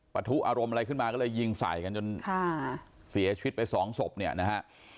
ประทุอารมณ์อะไรขึ้นมาก็เลยยิงใส่กันจนเสียชีวิตไปสองศพเนี่ยนะฮะ